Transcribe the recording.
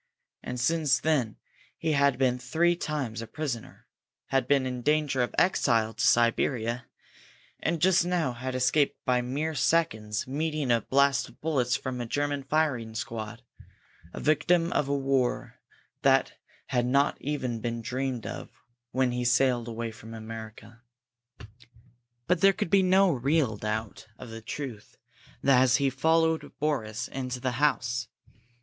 And since then he had been three times a prisoner, had been in danger of exile to Siberia, and just now had escaped by mere seconds meeting a blast of bullets from a German firing squad, a victim of a war that had not even been dreamed of when he had sailed from America! But there could be no real doubt of the truth as he followed Boris into the house.